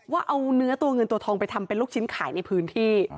ว่าเอาเนื้อตัวเงินตัวทองไปทำเป็นลูกชิ้นขายในพื้นที่